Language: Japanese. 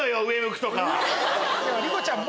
莉子ちゃん